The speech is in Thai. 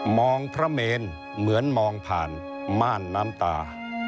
พระเมนเหมือนมองผ่านม่านน้ำตา